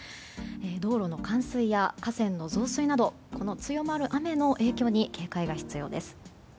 道路の冠水や河川の増水などこの強まる雨の影響に警戒が必要です。